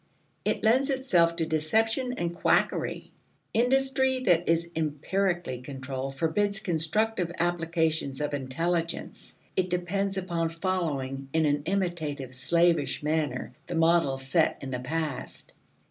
It lends itself to deception and quackery. Industry that is "empirically" controlled forbids constructive applications of intelligence; it depends upon following in an imitative slavish manner the models set in the past.